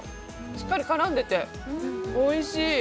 しっかり絡んでておいしい。